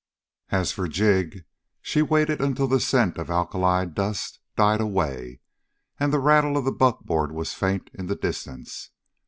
As for Jig, she waited until the scent of alkali dust died away, and the rattle of the buckboard was faint in the distance.